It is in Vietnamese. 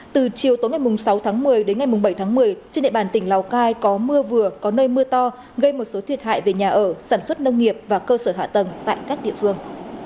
từ chiều tối ngày sáu tháng một mươi đến ngày bảy tháng một mươi trên địa bàn tỉnh lào cai có mưa vừa có nơi mưa to gây một số thiệt hại về nhà ở sản xuất nông nghiệp và cơ sở hạ tầng tại các địa phương